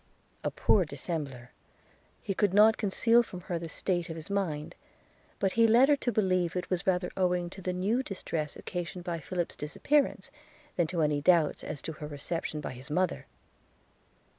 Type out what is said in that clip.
– A poor dissembler, he could not conceal from her the state of his mind; but he led her to believe it was rather owing to the new distress occasioned by Philip's disappearance, than to any doubts as to her reception by his mother.